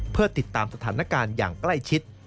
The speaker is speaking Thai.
เพื่อติดตามสถานการณ์อย่างใกล้ชิด